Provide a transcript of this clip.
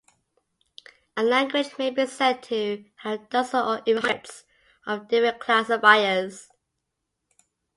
A language may be said to have dozens or even hundreds of different classifiers.